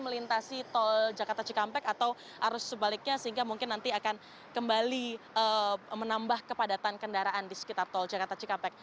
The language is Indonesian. melintasi tol jakarta cikampek atau arus sebaliknya sehingga mungkin nanti akan kembali menambah kepadatan kendaraan di sekitar tol jakarta cikampek